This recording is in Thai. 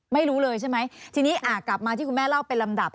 ไม่รู้เลยใช่ไหมทีนี้กลับมาที่คุณแม่เล่าเป็นลำดับ